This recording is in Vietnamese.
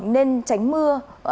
nên tránh mưa